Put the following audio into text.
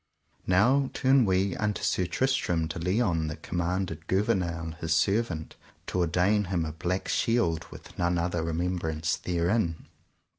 Now turn we unto Sir Tristram de Liones, that commanded Gouvernail, his servant, to ordain him a black shield with none other remembrance therein.